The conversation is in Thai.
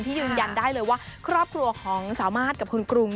ยืนยันได้เลยว่าครอบครัวของสามารถกับคุณกรุง